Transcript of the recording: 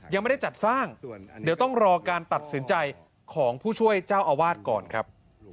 ยังไม่ได้จัดสร้างเดี๋ยวต้องรอการตัดสินใจของผู้ช่วยเจ้าอาวาสก่อนครับ